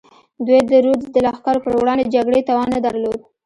دوی د رودز د لښکرو پر وړاندې جګړې توان نه درلود.